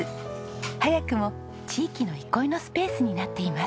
早くも地域の憩いのスペースになっています。